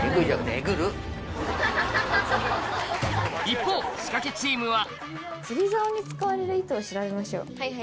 一方仕掛けチームは釣竿に使われる糸を調べましょう。